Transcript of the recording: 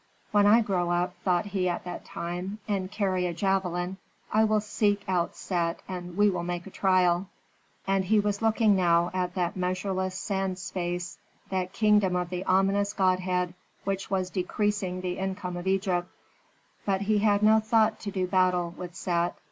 "When I grow up," thought he at that time, "and carry a javelin, I will seek out Set and we will make a trial." And he was looking now at that measureless sand space, that kingdom of the ominous godhead which was decreasing the income of Egypt; but he had no thought to do battle with Set.